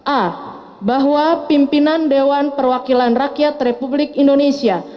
a bahwa pimpinan dewan perwakilan rakyat republik indonesia